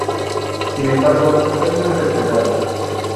Sin embargo no es muy respetado.